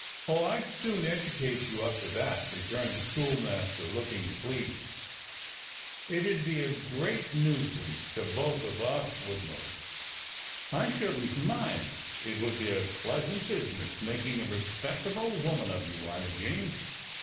"Oh, I'd soon educate you up to that," returned the schoolmaster, looking pleased. "It 'ud be a great nuisance to both of us, wouldn't it?" "I shouldn't mind — it would be a pleasant business making a respectable woman of you, Imogene.